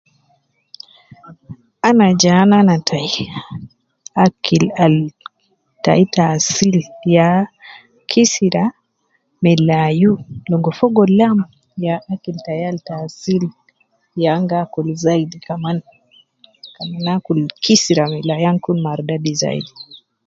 Ana ja ana ana tayi, akil Al tayi ta asil ya kisira ma layu logo Fogo lam ya akil tayi Al tasil ya an gaakul kan ana akul kisira ma layu ankun mardadi zaidi.